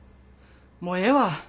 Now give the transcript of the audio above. もうええわ。